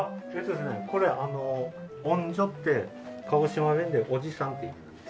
これ「おんじょ」って鹿児島弁で「おじさん」っていう意味なんです。